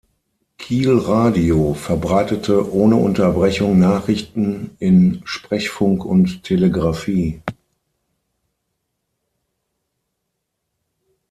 Kiel Radio verbreitete ohne Unterbrechung Nachrichten in Sprechfunk und Telegrafie.